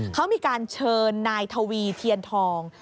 เขามีการเชิญนายทวีเทียนทอง